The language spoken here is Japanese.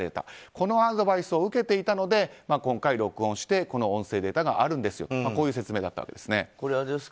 このアドバイスを受けていたので今回録音してこの音声データがあるという説明でした。